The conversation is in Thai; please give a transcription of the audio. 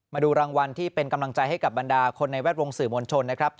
มาดูรางวัลที่เป็นกำลังใจให้กับบรรดาคนในแวดวงสื่อมวลชนนะครับ